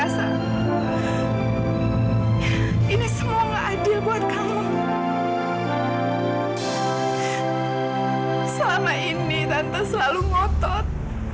selama ini tante selalu ngotot